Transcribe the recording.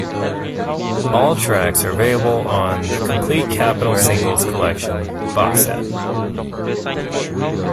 All tracks are available on "The Complete Capitol Singles Collection" box set.